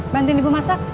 bantuin ibu masak